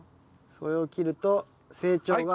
それを切ると成長が。